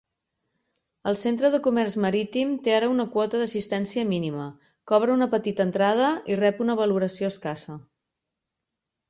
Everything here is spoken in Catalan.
El Centre de Comerç Marítim té ara una quota d'assistència mínima, cobra una petita entrada i rep una valoració escassa.